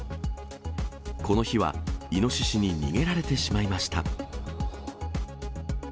この日は、イノシシに逃げられてしまいました。